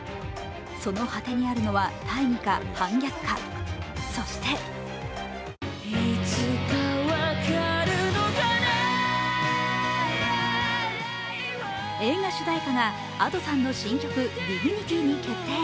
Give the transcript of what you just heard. その果てにあるのは大義か反逆か、そして映画主題歌がＡｄｏさんの新曲「ＤＩＧＮＩＴＹ」に決定。